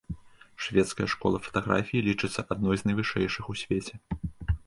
Шведская школа фатаграфіі лічыцца адной з найвышэйшых у свеце.